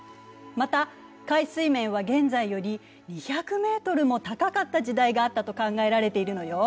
また海水面は現在より２００ｍも高かった時代があったと考えられているのよ。